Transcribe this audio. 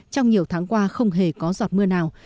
trong nhiều tháng qua không hề có giọt mưa nào